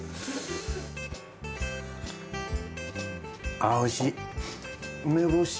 あぁおいしい。